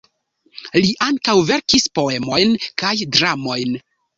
Li ankaŭ verkis poemojn kaj dramojn.